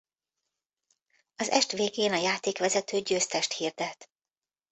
Az est végén a játékvezető győztest hirdet.